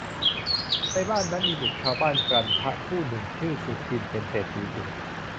ในบ้านนั้นมีบุตรชาวบ้านกลันทะผู้หนึ่ง ชื่อ สุทินน์ เป็นเศรษฐีบุตร